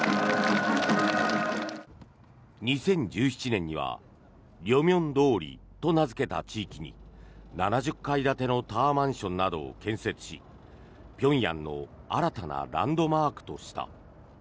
２０１７年にはリョミョン通りと名付けた地域に７０階建てのタワーマンションなどを建設し平壌の新たなランドマークとした。